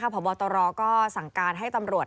พบตรก็สั่งการให้ตำรวจ